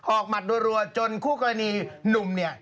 หมัดรัวจนคู่กรณีหนุ่มเนี่ย